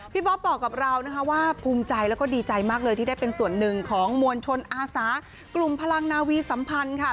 บ๊อบบอกกับเรานะคะว่าภูมิใจแล้วก็ดีใจมากเลยที่ได้เป็นส่วนหนึ่งของมวลชนอาสากลุ่มพลังนาวีสัมพันธ์ค่ะ